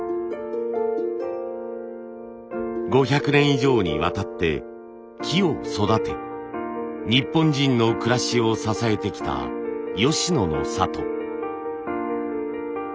５００年以上にわたって木を育て日本人の暮らしを支えてきた吉野の里。